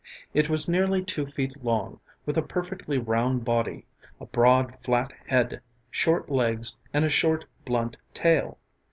It was nearly two feet long, with a perfectly round body, a broad, flat head, short legs and a short, blunt tail.